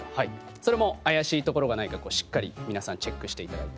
それも怪しいところがないかしっかり皆さんチェックしていただいて。